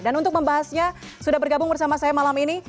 dan untuk membahasnya sudah bergabung bersama saya malam ini